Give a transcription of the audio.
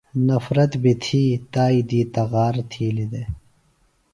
نفرت بیۡ تھی تائی دی تغار تِھیلیۡ دےۡ۔